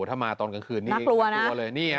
ถ้ามาตอนกลางคืนนี้นักลัวเลยนี่นี่นี่